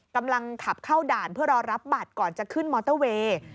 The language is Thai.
กำลังขับเข้าด่านเพื่อรอรับบัตรก่อนจะขึ้นมอเตอร์เวย์